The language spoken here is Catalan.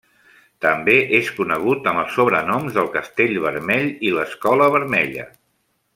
També és conegut amb els sobrenoms del castell vermell i l'escola vermella.